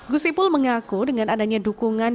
gus ipul mengaku dengan adanya dukungan